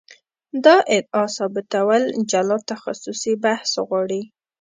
دا ادعا ثابتول جلا تخصصي بحث غواړي.